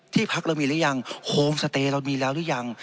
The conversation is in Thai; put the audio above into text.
พักเรามีหรือยังโฮมสเตย์เรามีแล้วหรือยัง